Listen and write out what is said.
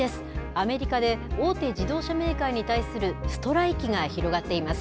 アメリカで大手自動車メーカーに対するストライキが広がっています。